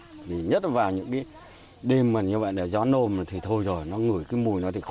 thì nhất là vào những cái đêm mà như vậy là gió nồm thì thôi rồi nó ngửi cái mùi nó thì khó